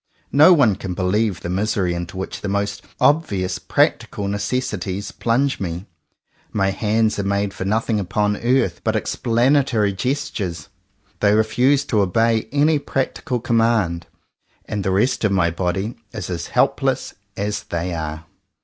No one can believe the misery into which the most obvious practical necessities plunge me. My hands are made for nothing upon earth 102 JOHN COWPER POWYS but explanatory gestures. They refuse to obey any practical command; and the rest of my body is as helpless as they are.